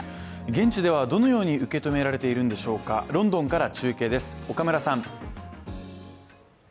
現地ではどのように受け止められているんでしょうか、ロンドンから中継です。